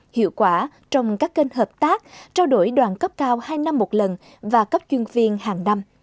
hiệu quả trong các kênh hợp tác trao đổi đoàn cấp cao hai năm một lần và cấp chuyên viên hàng năm